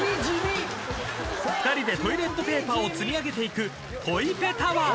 ［２人でトイレットペーパーを積み上げていくトイペタワー］